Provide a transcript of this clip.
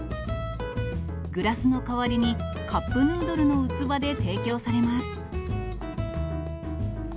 グラスの代わりにカップヌードルの器で提供されます。